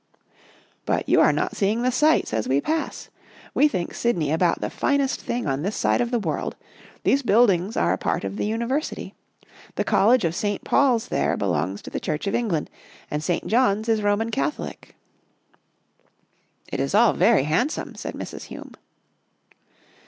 11 But you are not seeing the sights as we pass. We think Sydney about the finest thing on this side of the world. These buildings are a part of the University. The College of St. Paul's there belongs to the Church of England, and St. John's is Roman Catholic." " It is all very handsome," said Mrs. Hume.